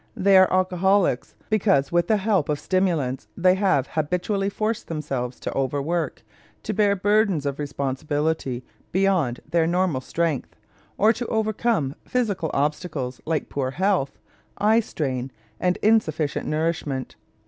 They are alcoholics because with the help of stimulants they have habitually forced themselves to overwork, to bear burdens of responsibility beyond their normal strength, or to overcome physical obstacles, like poor health, eye strain, and insufficient nourishment.